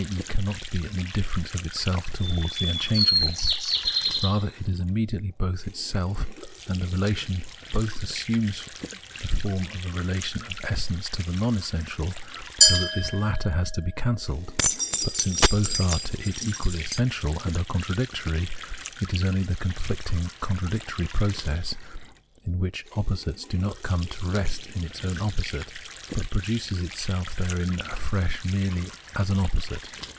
e. cannot be an indifference of itself towards the unchangeable. Rather it is immedi ately both itself ; and the relation of both assumes for it the form of a relation of essence to the non essential, so that this latter has to be cancelled ; but since both are to it equally essential and are contradictory, it is only the conflicting contradictory process in which opposite does not come to rest in its own opposite, but produc? itself therein afresh merely as an opposite.